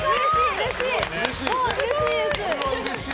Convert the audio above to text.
うれしいです。